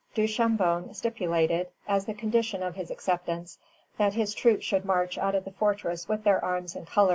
Duchambon stipulated, as the condition of his acceptance, that his troops should march out of the fortress with their arms and colors.